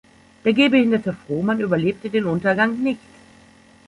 Der gehbehinderte Frohman überlebte den Untergang nicht.